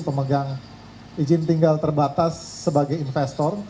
pemegang izin tinggal terbatas sebagai investor